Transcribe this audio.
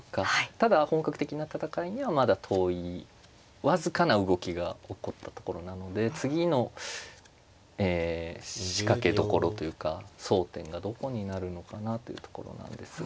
ただ本格的な戦いにはまだ遠い僅かな動きが起こったところなので次の仕掛けどころというか争点がどこになるのかなというところなんですが。